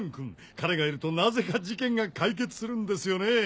彼がいるとなぜか事件が解決するんですよね。